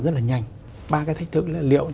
rất là nhanh ba cái thách thức là liệu